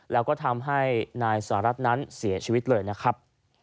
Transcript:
แล้วก็ทำให้นายสหรัฐนั้นเสียชีวิตเลยนะครับ